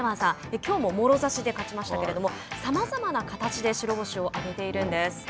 きょうももろ差しで勝ちましたけれどもさまざまな形で白星を挙げているんです。